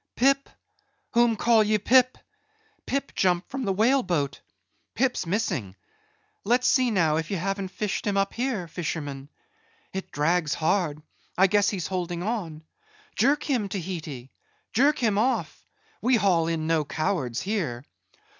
"Pip? whom call ye Pip? Pip jumped from the whale boat. Pip's missing. Let's see now if ye haven't fished him up here, fisherman. It drags hard; I guess he's holding on. Jerk him, Tahiti! Jerk him off; we haul in no cowards here.